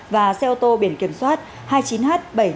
và xe ô tô biển kiểm soát hai mươi chín h bảy trăm năm mươi năm